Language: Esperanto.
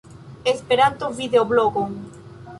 Esperanto-videoblogon